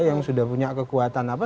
yang sudah punya kekuatan apa